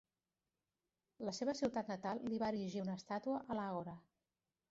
La seva ciutat natal li va erigir una estàtua a l'àgora.